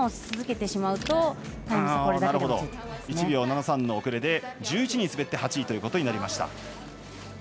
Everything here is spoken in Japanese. １秒７３の遅れで１１人滑って８位ということになりました。